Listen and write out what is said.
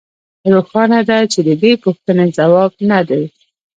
روښانه ده چې د دې پوښتنې ځواب نه دی